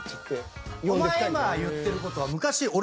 お前今言ってることは。